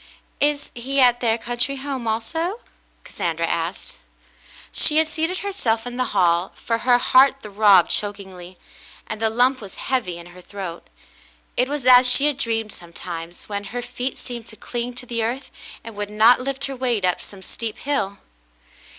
"Is he at their country home also?" Cassandra asked. She had seated herself in the hall, for her heart throbbed chokingly, and the lump was heavy in her throat. It was as she had dreamed sometimes, when her feet seemed to cling to the earth, and would not lift her weight up some steep hill.